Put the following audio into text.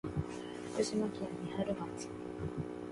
福島県三春町